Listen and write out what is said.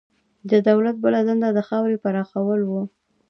د دولت بله دنده د خاورې پراخول وو.